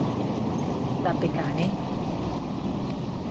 Tape karẽ